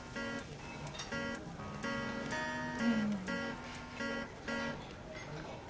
うん。